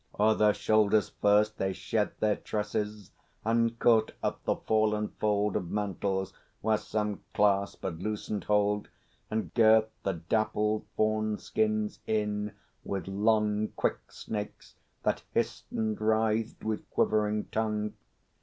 O'er their shoulders first they shed Their tresses, and caught up the fallen fold Of mantles where some clasp had loosened hold, And girt the dappled fawn skins in with long Quick snakes that hissed and writhed with quivering tongue.